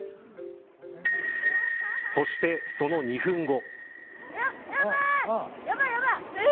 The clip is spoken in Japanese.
そして、その２分後。